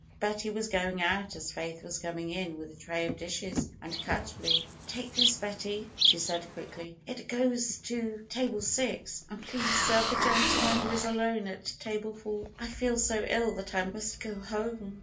Betty was going out as Faith was coming in with a tray of dishes and cutlery. ^'Take this, Betty!" she said quickly. ^Ht goes to FAITH table six. And please serve the gentleman who is alone at table four. I feel so ill that I must go home.